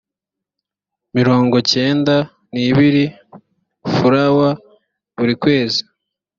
mirongo cyenda n abiri frw buri kwezi